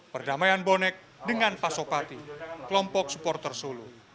perdamaian bonek dengan pasopati kelompok supporter solo